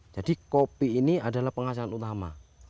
jadi kopi ini adalah penghasilan utama